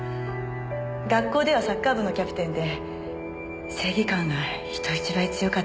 学校ではサッカー部のキャプテンで正義感が人一倍強かったんです。